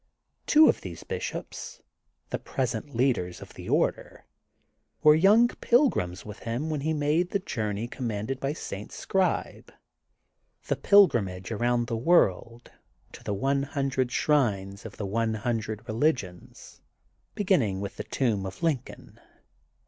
Two of these bishops, the present lead ers of the order, were young pilgrims with him when he made the journey commanded by St. Scribe, the pilgrimage around the world to the one hundred shrines of the one hundred religions, beginning with the Tomb of Lincoln.